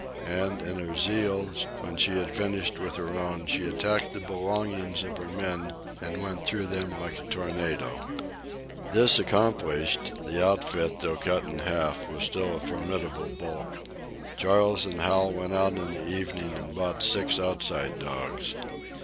And in her zeal, when she had finished with her own, she attacked the belongings of her men and went through them like a tornado. This accomplished, the outfit, though cut in half, was still a formidable bulk. Charles and Hal went out in the evening and bought six Outside dogs.